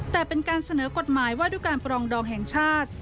แต่เป็นการเสนอกฎหมายว่าด้วยการปรองดองแห่งชาติ